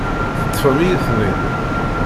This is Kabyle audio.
Teṭṭfemt-iyi-ten-id.